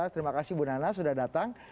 terima kasih bu nana sudah datang